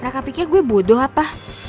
mereka pikir gue bodoh apa